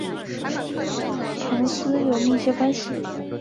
莫赫林与苏格兰民族诗人彭斯有密切关系。